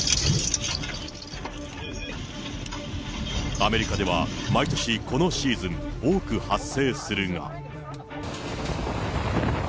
アメリカでは毎年、このシーズン、多く発生するが。